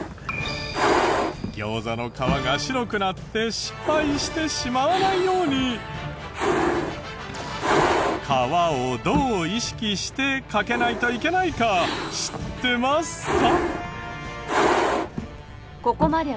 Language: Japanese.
餃子の皮が白くなって失敗してしまわないように皮をどう意識してかけないといけないか知ってますか？